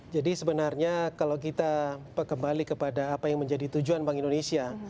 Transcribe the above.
jadi sebenarnya kalau kita kembali kepada apa yang menjadi tujuan bank indonesia